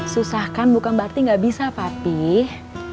susah kan bukan berarti gak bisa papih